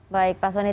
baik pak soni